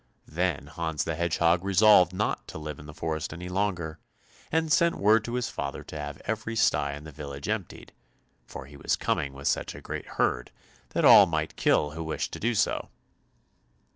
Then Hans the Hedgehog resolved not to live in the forest any longer, and sent word to his father to have every stye in the village emptied, for he was coming with such a great herd that all might kill who wished to do so.